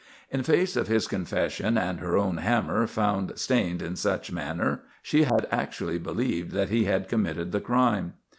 In face of his confession and her own hammer found stained in such manner, she had actually believed that he had committed the crime.